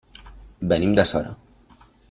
Venim de Sora.